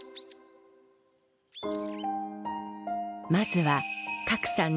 まずは賀来さん